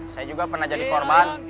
saya juga pernah jadi korban